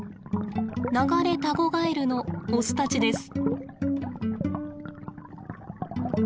ナガレタゴガエルのオスたちです。